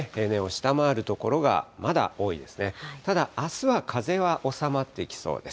ただ、あすは風は収まっていきそうです。